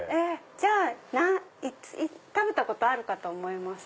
じゃあ食べたことあると思います。